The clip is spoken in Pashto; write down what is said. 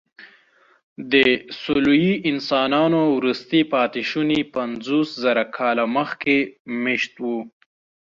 د سولويي انسانانو وروستي پاتېشوني پنځوسزره کاله مخکې مېشته وو.